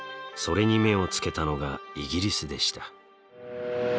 それに目をつけたのがイギリスでした。